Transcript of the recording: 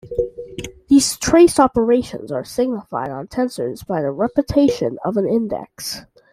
These trace operations are signified on tensors by the repetition of an index.